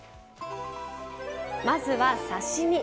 まずは刺身。